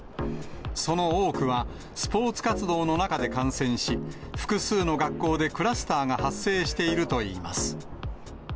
その多くは、スポーツ活動の中で感染し、複数の学校でクラスターが発生しているといいます。